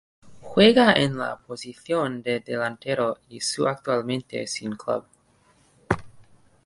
Juega en la posición de delantero y su actualmente sin club.